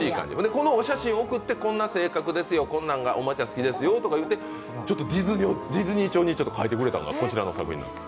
このお写真を送って、こんな性格ですよ、こんなおもちゃが好きですよとディズニー調に描いてくれたのが、こちらの作品なんです。